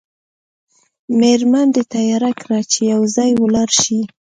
میرمن دې تیاره کړه چې یو ځای ولاړ شئ.